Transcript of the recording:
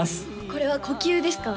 これは呼吸ですか？